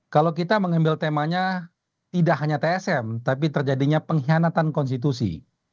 kalau kita mengambil temanya tidak hanya tsm tapi terjadinya pengkhianatan konstitusi